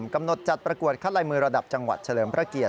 จัดประกวดคัดลายมือระดับจังหวัดเฉลิมพระเกียรติ